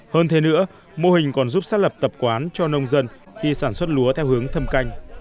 hơn thế nữa mô hình còn giúp xác lập tập quán cho nông dân khi sản xuất lúa theo hướng thâm canh